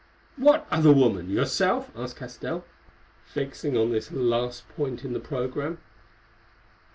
"What other woman? Yourself?" asked Castell, fixing on this last point in the programme.